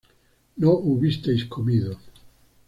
no hubisteis comido